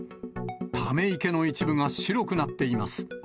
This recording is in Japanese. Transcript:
ため池の一部が白くなっています。